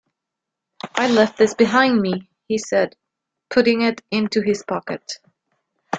"I left this behind me," he said, putting it into his pocket.